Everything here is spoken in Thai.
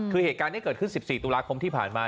คือเหตุการณ์ที่เกิดขึ้น๑๔ตุลาคมที่ผ่านมา